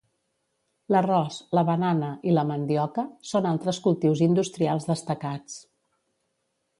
L'arròs, la banana i la mandioca són altres cultius industrials destacats.